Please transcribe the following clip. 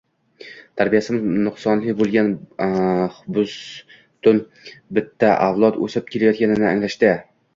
tarbiyasi nuqsonli bo‘lgan bus-butun bitta avlod o‘sib kelayotganini anglashga